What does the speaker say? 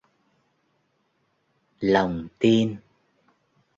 lòng tin